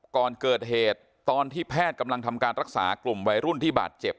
ก่อนเกิดเหตุตอนที่แพทย์กำลังทำการรักษากลุ่มวัยรุ่นที่บาดเจ็บ